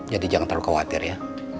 jadi jangan terlalu khawatir ya